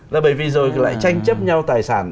là bởi vì rồi lại tranh chấp nhau tài sản